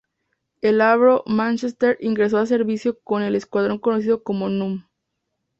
El Avro Manchester ingresó a servicio con el escuadrón conocido como "No.